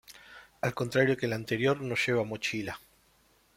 Al contrario que el anterior no lleva mochila.